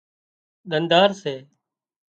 ۮنڌار سي